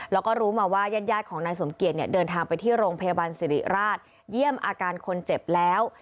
แล้วก็รู้มาว่าญาติของนายสมเกียจเนี่ยเดินทางไปที่โรงพยาบาลสิริราชเยี่ยมอาการคนเจ็บแล้ว